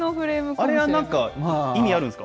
あれはなんか意味あるんですか？